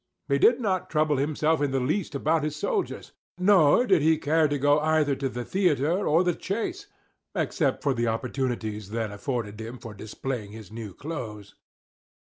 He did not trouble himself in the least about his soldiers; nor did he care to go either to the theatre or the chase, except for the opportunities then afforded him for displaying his new clothes.